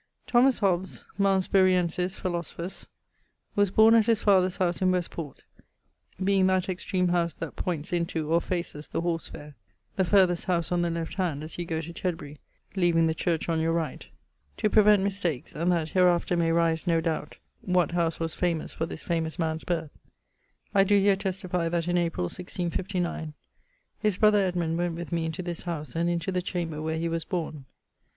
_> Thomas Hobbes, Malmesburiensis, Philosophus, was borne at his father's house in Westport, being that extreme howse that pointes into, or faces, the Horse fayre; the farthest howse on the left hand as you goe to Tedbury, leaving the church on your right. To prevent mistakes, and that hereafter may rise no doubt what house was famous for this famous man's birth; I doe here testifie that in April, 1659, his brother Edmond went with me into this house, and into the chamber where he was borne.